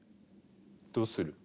どうする？